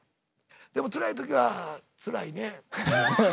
でもつらい時はつらいね。